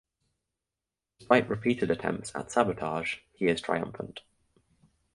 Despite repeated attempts at sabotage he is triumphant.